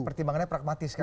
pertimbangannya pragmatis kan